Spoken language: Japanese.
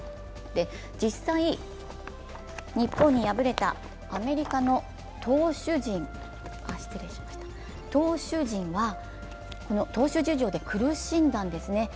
実際、日本に敗れたアメリカの投手陣は、この投手事情で苦しんだんですね。